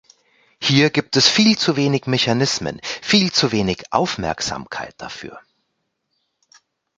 Hier gibt es viel zu wenige Mechanismen, viel zu wenig Aufmerksamkeit dafür.